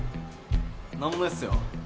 何もないっすよ。